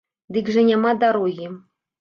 Дык жа няма дарогі.